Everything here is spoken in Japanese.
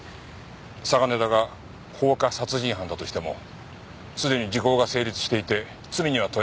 嵯峨根田が放火殺人犯だとしてもすでに時効が成立していて罪には問えない。